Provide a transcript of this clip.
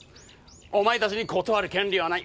お前たちに断る権利はない。